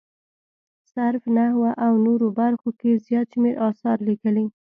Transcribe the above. صرف، نحوه او نورو برخو کې یې زیات شمېر اثار لیکلي.